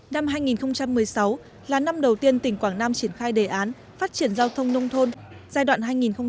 năm hai nghìn một mươi sáu là năm đầu tiên tỉnh quảng nam triển khai đề án phát triển giao thông nông thôn giai đoạn hai nghìn một mươi sáu hai nghìn hai mươi